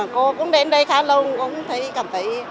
cô đến đây khá lâu cũng thấy cảm thấy